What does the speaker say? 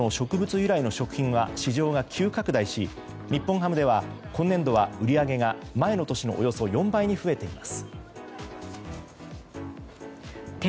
由来の食品は市場が急拡大し、日本ハムでは今年度は、売り上げが前の年のおよそ４倍に増えています。